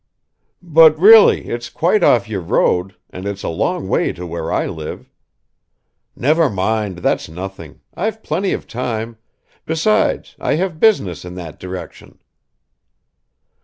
"But really, it's quite off your road, and it's a long way to where I live." "Never mind, that's nothing; I've plenty of time, besides I have business in that direction."